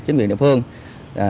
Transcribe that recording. chính viên địa phương